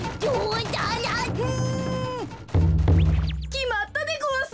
きまったでごわす！